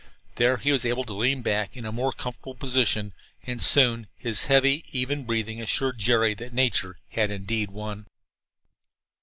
There he was able to lean back in a more comfortable position, and soon his heavy, even breathing assured Jerry that nature had, indeed, won.